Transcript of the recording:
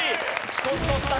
１つ取った。